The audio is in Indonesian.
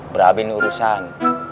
berhabis nih urusan